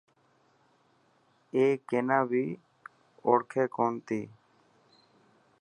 اي ڪينا بي اوڙ کي ڪو نتي.